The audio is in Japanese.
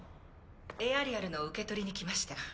エアリアルの受け取りに来ました。